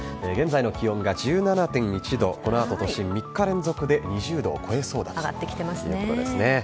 現在の気温が１７．１度、このあと都心、３日連続で２０度を超えそうだということですね。